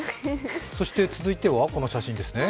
続いては、この写真ですね。